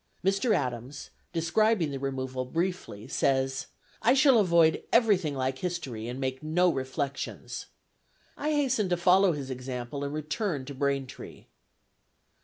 Mr. Adams, describing the removal briefly, says, "I shall avoid everything like history, and make no reflections." I hasten to follow his example and return to Braintree.